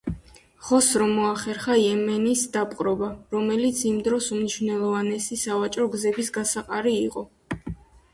ხოსრომ მოახერხა იემენის დაპყრობა, რომელიც იმ დროს უმნიშვნელოვანესი სავაჭრო გზების გასაყარი იყო.